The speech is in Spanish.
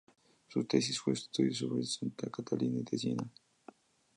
Su tesis fue un estudio sobre Santa Catalina de Siena.